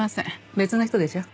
別の人でしょ。